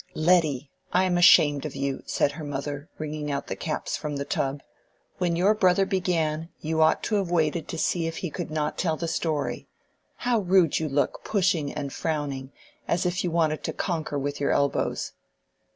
"Letty, I am ashamed of you," said her mother, wringing out the caps from the tub. "When your brother began, you ought to have waited to see if he could not tell the story. How rude you look, pushing and frowning, as if you wanted to conquer with your elbows!